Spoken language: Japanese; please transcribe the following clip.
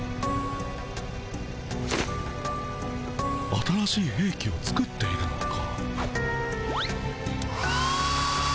新しいへいきを作っているのか？